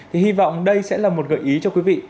thì hy vọng đây sẽ là một gợi ý cho quý vị